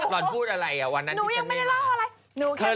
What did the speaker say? ตอนพูดอะไรอ่ะวันนั้นที่ฉันไม่ได้